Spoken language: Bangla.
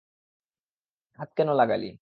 হাত কেন লাগালি?